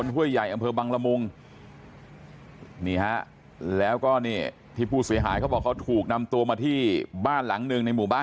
สวัสดีค่ะ